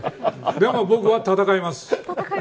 でも僕は闘います。